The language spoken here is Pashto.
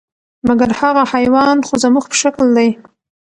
مګر هغه حیوان خو زموږ په شکل دی،